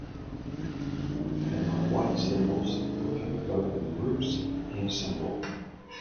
They are white circles that can be both in groups and single.